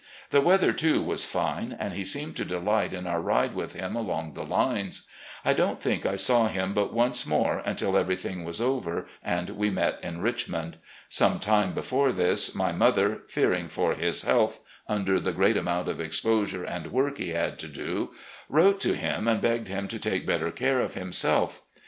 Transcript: The weather, too, was fine, and he seemed to delight in our ride with him along the lines. I don't think I saw him but once more until everything was over and we met in Richmond. Some time before this, my mother, fearing for his health under the great amount of exposure and work he had to do, wrote to him and begged him to take better care of him self.